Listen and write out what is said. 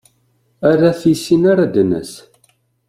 Ala tissin ara d-nas.